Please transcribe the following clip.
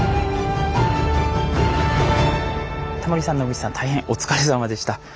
タモリさん野口さん大変お疲れさまでした。